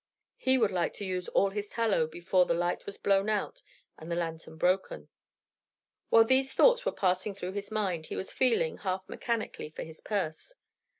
He would like to use all his tallow before the light was blown out and the lantern broken. While these thoughts were passing through his mind, he was feeling, half mechanically, for his purse.